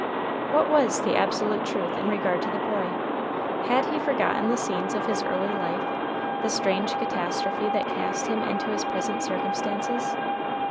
What was the absolute truth in regard to the boy? Had he forgotten the scenes of his early life, the strange catastrophe that cast him into his present circumstances?